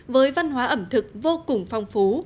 với văn hóa ẩm thực vô cùng phong phú